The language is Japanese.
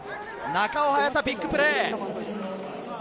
中尾隼太、ビッグプレー。